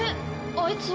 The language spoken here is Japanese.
あいつは？